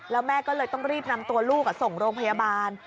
แล้วแม่ก็เลยต้องรีบนำตัวลูกส่งโรงพยาบาล